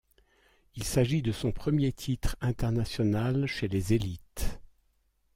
Il s'agit de son premier titre international chez les élites.